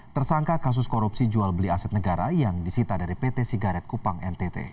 tersangka kasus korupsi jual beli aset negara yang disita dari pt sigaret kupang ntt